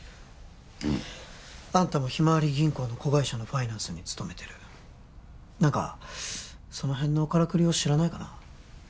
うんあんたもひまわり銀行の子会社のファイナンスに勤めてる何かそのへんのカラクリを知らないかな？